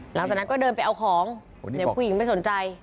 หลังจากนั้นก็เดินไปเอาของเด็กผู้หญิงไม่สนใจ